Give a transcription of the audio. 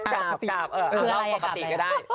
กราบเออเอาลองปกติก็ได้